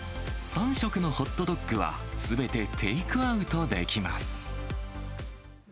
３色のホットドッグはすべてテイクアウトできます。